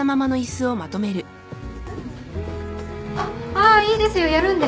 ああいいですよやるんで。